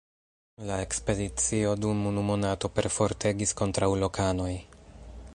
La ekspedicio dum unu monato perfortegis kontraŭ lokanoj.